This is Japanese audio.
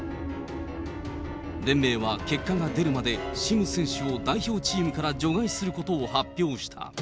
連盟は結果が出るまで、シム選手を代表チームから除外することを発表した。